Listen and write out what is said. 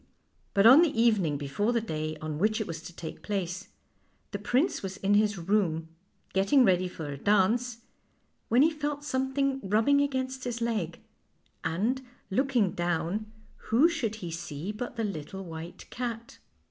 But on the evening before the day on which it was to take place the prince was in his room, getting ready for a dance, when he felt something rub bing against his leg, and, looking down, who should he see but the little white cat.